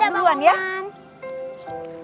kita pulang duluan ya